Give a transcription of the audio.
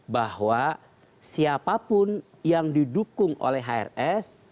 bahwa siapapun yang didukung oleh hrs